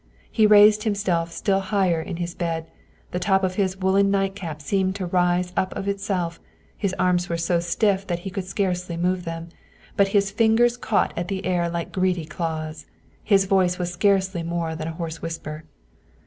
He raised himself still higher in his bed, the top of his woolen nightcap seemed to rise up of itself, his arms were so stiff that he could scarcely move them, but his fingers caught at the air like greedy claws. His voice was scarcely more than a hoarse whisper.